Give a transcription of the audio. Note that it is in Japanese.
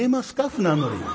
船乗りに。